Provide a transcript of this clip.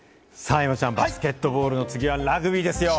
山ちゃん、バスケットボールの次はラグビーですよ。